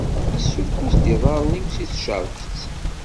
Issukkus-d iḍarren-iw si tcerket.